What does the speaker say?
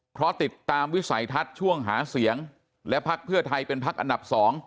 เพราะติดตามวิสัยทัศน์ช่วงหาเสียงและพักเพื่อไทยเป็นพักอันดับ๒